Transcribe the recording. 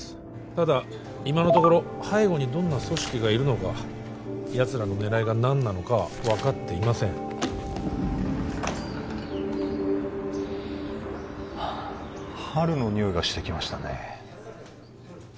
ただ今のところ背後にどんな組織がいるのかやつらの狙いが何なのかは分かっていませんはあ春のにおいがしてきましたね